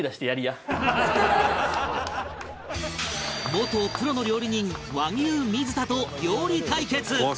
元プロの料理人和牛水田と料理対決